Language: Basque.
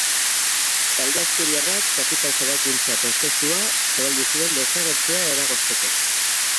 Talde asturiarrak kapital-zabalkuntza prozesua zabaldu zuen desagertzea eragozteko.